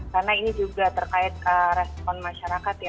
karena ini juga terkait respon masyarakat